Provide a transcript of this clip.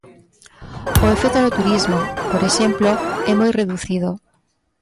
O efecto no turismo, por exemplo, é moi reducido.